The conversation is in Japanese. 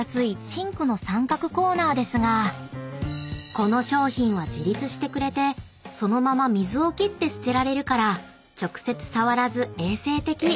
［この商品は自立してくれてそのまま水を切って捨てられるから直接触らず衛生的］